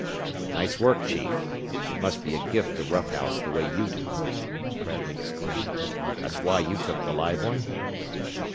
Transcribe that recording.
"Nice work, Chief it must be a gift to rough house the way you do," Bradley exclaimed. "That's why you took the live one?"